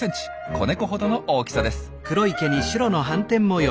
子ネコほどの大きさです。